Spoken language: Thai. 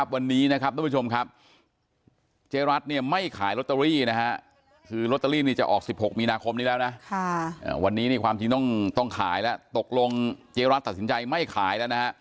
วันนี้เนี่ยความจริงต้องขายและตกลงเจรัตน์ตัดสินใจไม่ขายแล้วนะฮะ